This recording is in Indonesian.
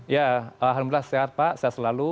ya alhamdulillah sehat pak sehat selalu